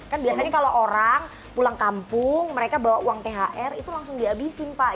kan biasanya kalau orang pulang kampung mereka bawa uang thr itu langsung dihabisin pak